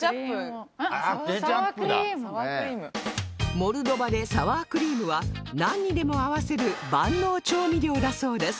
モルドバでサワークリームはなんにでも合わせる万能調味料だそうです